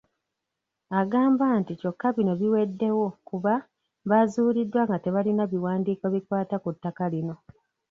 Agamba nti kyokka bino biweddewo kuba bazuuliddwa nga tebalina biwandiiko bikwata ku ttaka lino.